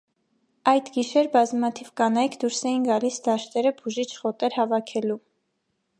Այդ գիշեր բազմաթիվ կանայք դուրս էին գալիս դաշտերը բուժիչ խոտեր հավաքելու։